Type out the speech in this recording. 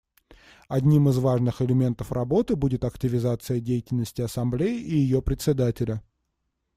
Одним из важных элементов работы будет активизация деятельности Ассамблеи и ее Председателя.